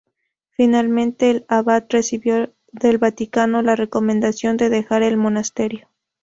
Finalmente el abad recibió del Vaticano la "recomendación" de dejar el monasterio.